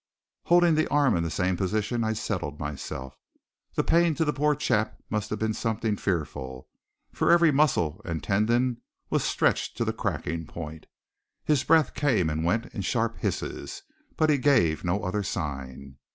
Holding the arm in the same position, I settled myself. The pain to the poor chap must have been something fearful, for every muscle and tendon was stretched to the cracking point. His breath came and went in sharp hisses; but he gave no other sign.